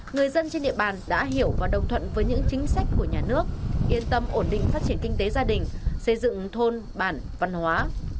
người dân trên địa bàn đã hiểu và đồng thuận với những chính sách của nhà nước yên tâm ổn định phát triển kinh tế gia đình xây dựng thôn bản văn hóa